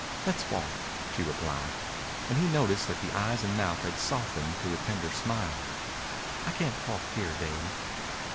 "Let's walk," she replied, and he noticed that the eyes and mouth had softened to a tender smile. "I can't talk here, Dave."